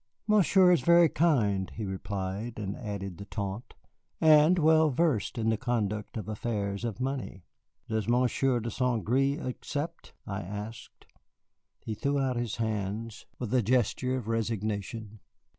"Monsieur is very kind," he replied, and added the taunt, "and well versed in the conduct of affairs of money." "Does Monsieur de St. Gré accept?" I asked. He threw out his hands with a gesture of resignation.